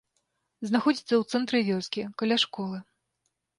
Знаходзіцца ў цэнтры вёскі, каля школы.